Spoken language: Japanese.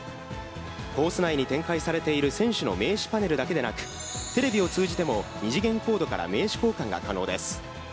コース内に展開されている選手の名刺パネルだけでなく、テレビを通じても、二次元コードから名刺交換が可能です。